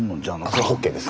それホッケーです。